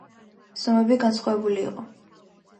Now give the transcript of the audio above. ზომები განსხვავებული იყო.